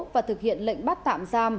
và thực hiện lệnh bắt tạm giam